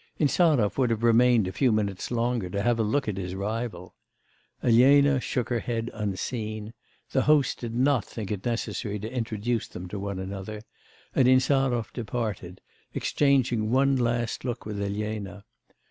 Insarov would have remained a few minutes longer, to have a look at his rival. Elena shook her head unseen; the host did not think it necessary to introduce them to one another, and Insarov departed, exchanging one last look with Elena.